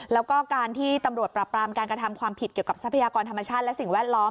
แล้วก็การที่ตำรวจปรับปรามการกระทำความผิดเกี่ยวกับทรัพยากรธรรมชาติและสิ่งแวดล้อม